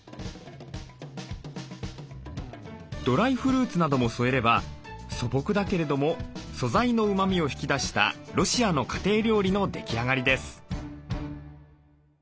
ドライフルーツなども添えれば素朴だけれども素材のうまみを引き出したロシアの家庭料理の出来上がりです。